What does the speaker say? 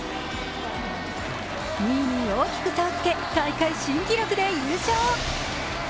２位に大きく差をつけ大会新記録で優勝。